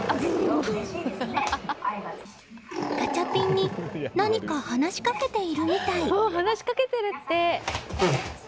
ガチャピンに何か話しかけているみたい。